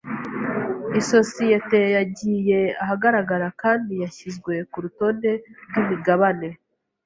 Isosiyete yagiye ahagaragara kandi yashyizwe ku rutonde rw’imigabane